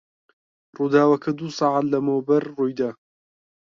ڕووداوەکە دوو سەعات لەمەوبەر ڕووی دا.